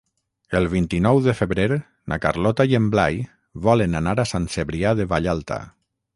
El vint-i-nou de febrer na Carlota i en Blai volen anar a Sant Cebrià de Vallalta.